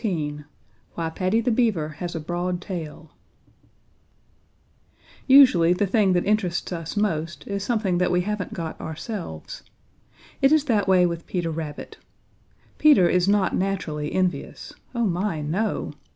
XVI WHY PADDY THE BEAVER HAS A BROAD TAIL Usually the thing that interests us most is something that we haven't got ourselves. It is that way with Peter Rabbit. Peter is not naturally envious. Oh, my, no!